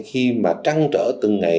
khi mà trăng trở từng ngày